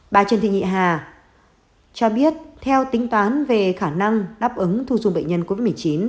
bà trần thị nhị hà cho biết theo tính toán về khả năng đáp ứng thu dung bệnh nhân covid một mươi chín